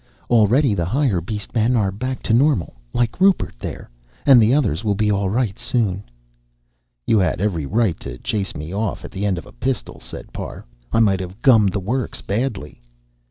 Already the higher beast men are back to normal, like Rupert there, and the others will be all right, soon." "You had every right to chase me off at the end of a pistol," said Parr. "I might have gummed the works badly."